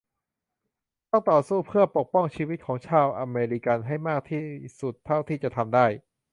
ต้องต่อสู้เพื่อปกป้องชีวิตของชาวอเมริกันให้มากที่สุดเท่าที่จะทำได้